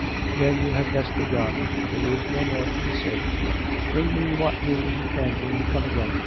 " Then you had best be gone. There is no more to be said. Bring me what news you can when you come again.